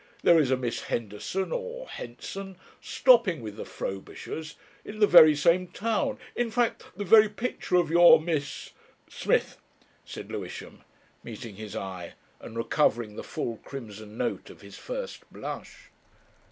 There is a Miss Henderson or Henson stopping with the Frobishers in the very same town, in fact, the very picture of your Miss ..." "Smith," said Lewisham, meeting his eye and recovering the full crimson note of his first blush.